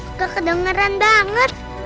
nggak kedengeran banget